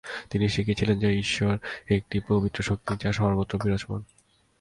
তিনি শিখিয়েছিলেন যে ঈশ্বর একটি পবিত্র শক্তি যা সর্বত্র বিরাজমান।